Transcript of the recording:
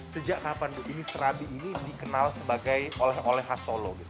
sejak kapan ini serabi ini dikenal oleh has solo